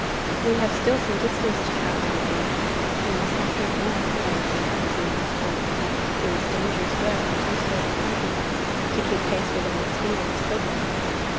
'We have still some distance to travel this evening, and must not drink more,' I observed, for prudence told me that it was dangerous work for two sober country lads to keep pace with an experienced toper.